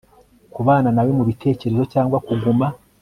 Kubana nawe mubitekerezo cyangwa kuguma